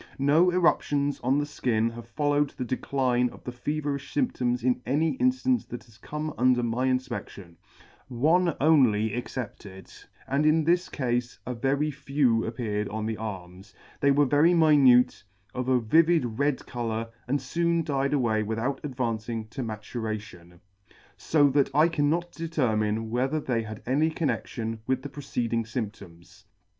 No eruptions on the {kin have followed the decline of the feverifh fvmptoms in any inflance that has come under my infpedtion, one only ex cepted, and in this cafe a very few appeared on the arms : they were very minute, of a vivid red co lour, and foon died away without advancing to maturation; fo that I cannot determine whether they had any connection with the preceding fymptoms.